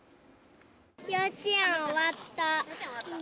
幼稚園終わった。